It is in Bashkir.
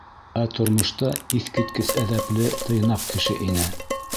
Ә тормошта иҫ киткес әҙәпле, тыйнаҡ кеше ине.